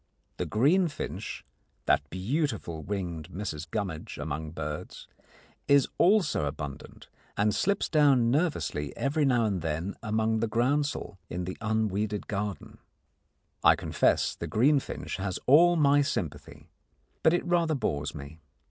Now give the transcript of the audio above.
The green finch that beautiful winged Mrs Gummidge among birds is also abundant, and slips down nervously every now and then among the groundsel in the unweeded garden. I confess the greenfinch has all my sympathy, but it rather bores me.